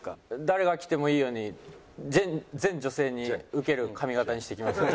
誰が来てもいいように全女性にウケる髪形にしてきました。